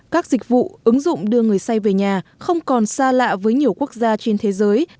các dịch vụ ứng dụng đưa người say về nhà không còn xa lạ với nhiều quốc gia trên thế giới